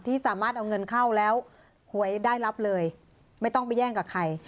สามารถเอาเงินเข้าแล้วหวยได้รับเลยไม่ต้องไปแย่งกับใคร